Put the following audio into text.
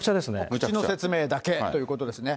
告知の説明だけということですね。